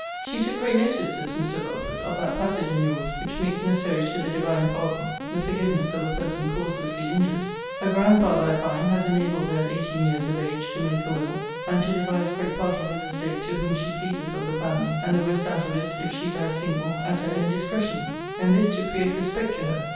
] 'She took great notice,' says Mr. Belford, 'of that passage in your's, which makes necessary to the Divine pardon, the forgiveness of a person causelessly injured. 'Her grandfather, I find, has enabled her at eighteen years of age to make her will, and to devise great part of his estate to whom she pleases of the family, and the rest out of it (if she die single) at her own discretion; and this to create respect to her!